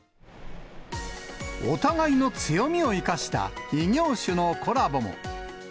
お互いの強みを生かした異業種のコラボも。